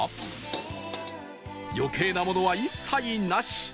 余計なものは一切なし